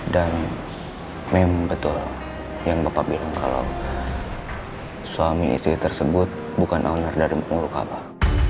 dan memang betul yang bapak bilang kalau suami istri tersebut bukan owner dari moluka pak